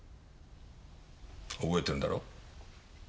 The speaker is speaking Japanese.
覚えてるんだろ？